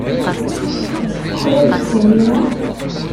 Teḥwajeḍ-tt imir-a?